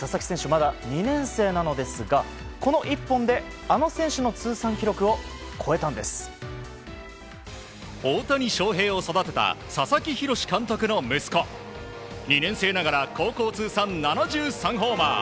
まだ２年生なのですがこの１本であの選手の通算記録を大谷翔平を育てた佐々木洋監督の息子２年生ながら高校通算７３ホーマー。